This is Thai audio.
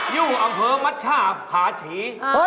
อยู่อำเภอมัชชาผาชี